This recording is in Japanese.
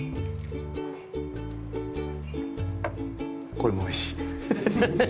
これもおいしい。